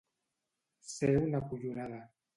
Ser una collonada.